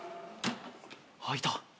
開いた。